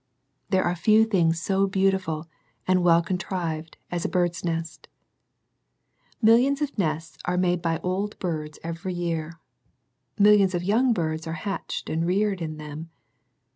There are few things so beautiful and well contrived as a bird's nest Millions of nests are made by old birds every year. Millions of young birds are hatched and reared in them.